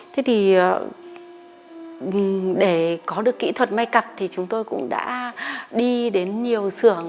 thế thì để có được kỹ thuật may cặp thì chúng tôi cũng đã đi đến nhiều xưởng